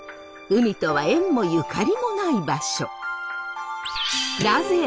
海とは縁もゆかりもない場所。